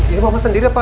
ini mama sendiri apa